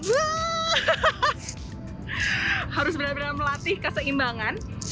wuh harus bener bener melatih keseimbangan